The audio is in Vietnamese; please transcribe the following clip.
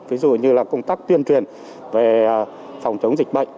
ví dụ như là công tác tuyên truyền về phòng chống dịch bệnh